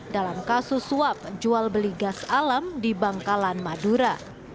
dalam kasus suap jual beli gas alam di bangkalan madura